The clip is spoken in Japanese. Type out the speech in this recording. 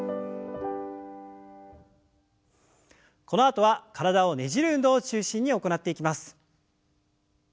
このあとは体をねじる運動を中心に行っていきます。